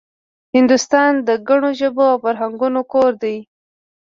هندوستان د ګڼو ژبو او فرهنګونو کور دی